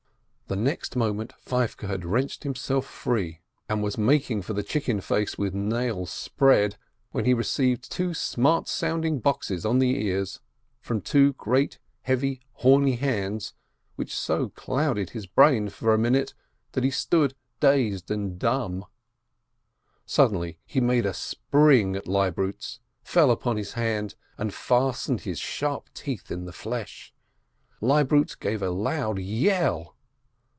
The next mo ment Feivke had wrenched himself free, and was mak COUNTRY FOLK 561 ing for the chicken face with nails spread, when he received two smart, sounding boxes on the ears, from two great, heavy, horny hands, which so clouded his brain that for a minute he stood dazed and dumb. Suddenly he made a spring at Leibrutz, fell upon his hand, and fastened his sharp teeth in the flesh. Leib rutz gave a loud yell.